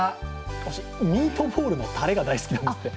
ミートボールのたれが大好きなんですって。